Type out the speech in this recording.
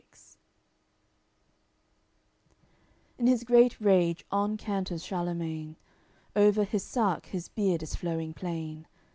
CXXXIX In his great rage on canters Charlemagne; Over his sark his beard is flowing plain.